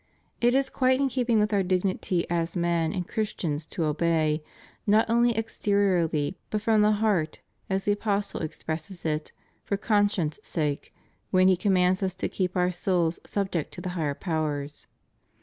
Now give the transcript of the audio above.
It is quite in keeping with our dignity as men and Christians to obey, not only exteriorly but from the heart, as the Apostle expresses it, for con science, sake, when he commands us to keep our soul sub ject to the higher powers.